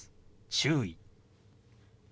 「注意」。